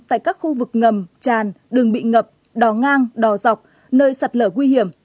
tại các khu vực ngầm tràn đường bị ngập đò ngang đò dọc nơi sạt lở nguy hiểm